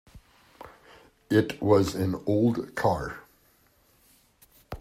It was an old car.